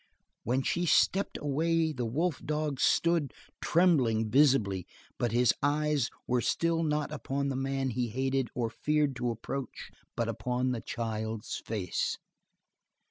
When she stepped away the wolf dog stood trembling visibly but his eyes were still not upon the man he hated or feared to approach but upon the child's face.